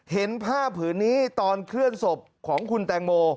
เห็นผ้าผืนนี้ตอนเคลื่อนศพของคุณแตงโม